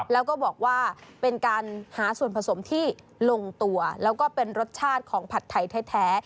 แล้วก็บอกว่าเป็นการหาส่วนผสมที่ลงตัวแล้วก็เป็นรสชาติของผัดไทยแท้